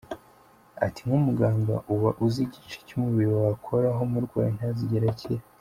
Ati “Nk’umuganga uba uzi igice cy’umubiri wakoraho umurwayi ntazigere akira.